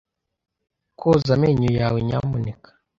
Koza amenyo yawe, nyamuneka.